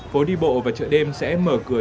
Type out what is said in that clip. phố đi bộ và chợ đêm sẽ mở cửa